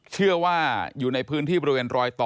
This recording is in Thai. เชื่อว่าอยู่ในพื้นที่บริเวณรอยต่อ